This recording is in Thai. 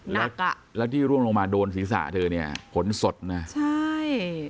แล้วก็แล้วที่ร่วงลงมาโดนศีรษะเธอเนี่ยผลสดนะใช่